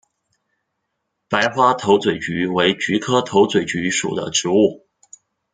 白花头嘴菊为菊科头嘴菊属的植物。